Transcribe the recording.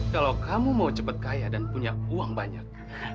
kalau kamu mau cepat kaya dan punya uang banyak